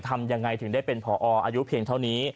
ทำยังไงถึงได้เป็นผออายุเพียงเท่านี้